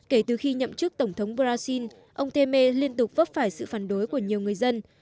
kể từ khi nhậm chức tổng thống brazil ông temer liên tục vấp phải sự phản đối của nhiều người dân